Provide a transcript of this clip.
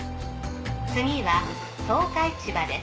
次は十日市場です。